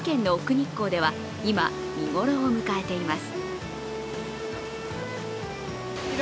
日光では今、見頃を迎えています。